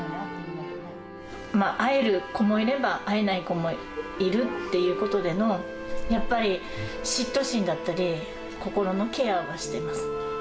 会える子もいれば、会えない子もいるっていうことでの、やっぱり嫉妬心だったり、心のケアはしています。